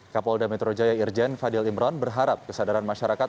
kapolda metro jaya irjen fadil imron berharap kesadaran masyarakat